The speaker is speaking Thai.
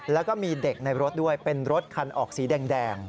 แล้วก็มีเด็กในรถด้วยเป็นรถคันออกสีแดง